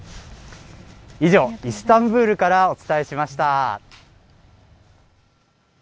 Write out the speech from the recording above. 以上、イスタンブールからお伝えしました。